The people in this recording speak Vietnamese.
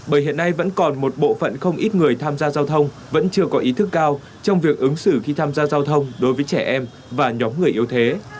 bởi hiện nay vẫn còn một bộ phận không ít người tham gia giao thông vẫn chưa có ý thức cao trong việc ứng xử khi tham gia giao thông đối với trẻ em và nhóm người yếu thế